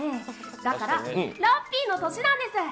だからラッピーの年なんです。